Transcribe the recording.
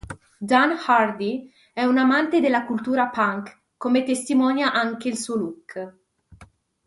Dan Hardy è un amante della cultura punk, come testimonia anche il suo look.